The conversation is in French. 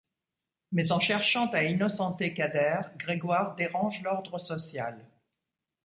Mais en cherchant à innocenter Khader, Grégoire dérange l'ordre social.